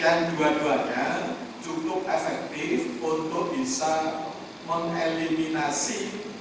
yang dua duanya cukup efektif untuk bisa mengeliminasi